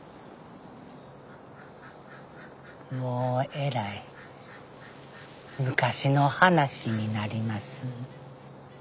もうえらい昔の話になります。